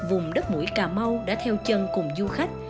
vùng đất mũi cà mau đã theo chân cùng du khách